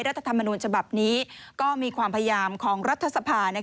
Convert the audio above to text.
ธรรมนูญฉบับนี้ก็มีความพยายามของรัฐสภา